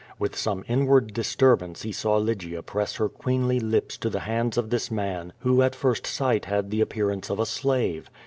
With some inward disturbance he saw Lygia press her queenly lips to the hands of this man who at first sight had the appearance of a slave.